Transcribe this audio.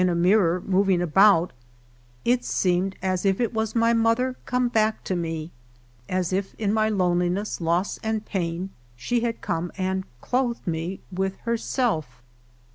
ill a mirror moving about, it Reemed as if it was my mother come back to me ; as if in my loneliness, loss, and pain, she had come and clothed me with herself